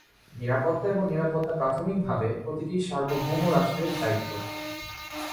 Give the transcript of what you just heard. নিরাপত্তা এবং নিরাপত্তা প্রাথমিকভাবে প্রতিটি সার্বভৌম রাষ্ট্রের দায়িত্ব।